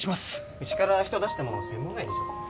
うちから人出しても専門外でしょ。